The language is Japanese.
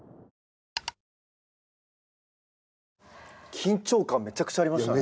緊張感めちゃくちゃありましたね。